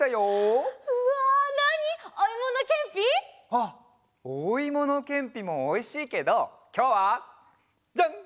あっおいものけんぴもおいしいけどきょうはジャン！